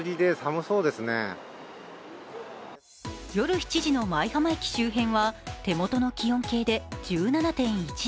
夜７時の舞浜駅周辺は、手元の気温計で１７．１度。